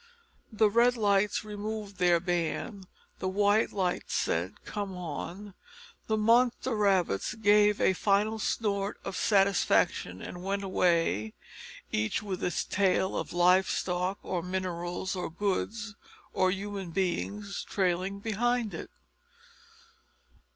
The red lights removed their ban, the white lights said "Come on," the monster rabbits gave a final snort of satisfaction and went away each with its tail of live stock, or minerals, or goods, or human beings, trailing behind it.